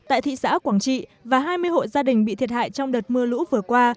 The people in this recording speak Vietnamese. tại thị xã quảng trị và hai mươi hộ gia đình bị thiệt hại trong đợt mưa lũ vừa qua